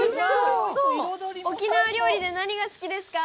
沖縄料理で何が好きですか？